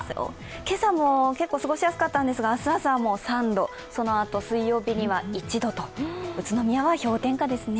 今朝も結構過ごしやすかったんですが、明日朝は３度、そのあと、水曜日には１度と、宇都宮は氷点下ですね。